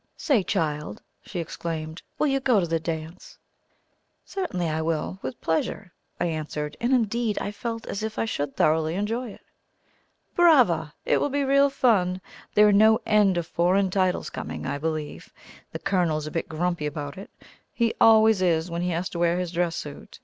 "Say, child!" she exclaimed; "will you go to the dance?" "Certainly I will, with pleasure," I answered, and indeed I felt as if I should thoroughly enjoy it. "Brava! It will be real fun. There are no end of foreign titles coming, I believe. The Colonel's a bit grumpy about it, he always is when he has to wear his dress suit.